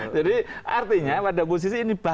jadi artinya pada posisi ini